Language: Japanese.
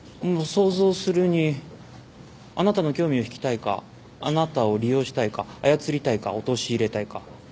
想像するにあなたの興味を引きたいかあなたを利用したいか操りたいか陥れたいか。